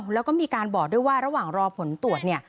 แล้วก็มีการบอกด้วยว่าระหว่างรอผลตรวจเนี่ย